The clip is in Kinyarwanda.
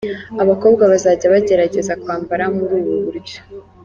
Abakobwa bazajya bagerageza kwambara muri ubu buryo.